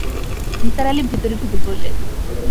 নিসার আলি ভেতরে ঢুকে পড়লেন।